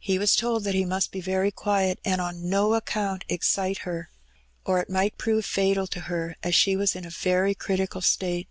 He was told that he mast be very qaiet^ and on no account excite her^ or it might prove fatal to her^ as she was in a very critical state.